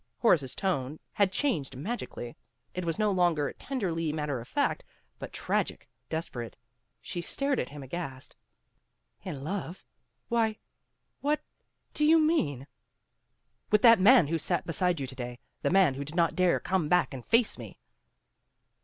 Horace's tone had changed magically. It was no longer tenderly matter of fact, but tragic, desperate. She stared at him aghast. "In love why, what, do you mean?" "With that man who sat beside you to day, the man who did not dare come back and face me."